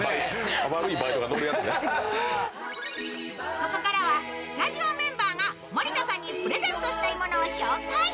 ここからはスタジオメンバーが森田さんにプレゼントしたいものを紹介。